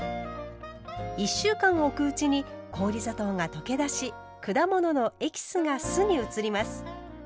１週間おくうちに氷砂糖が溶け出し果物のエキスが酢に移ります。